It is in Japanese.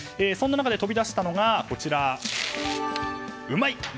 そんな中で飛び出したのがうまい！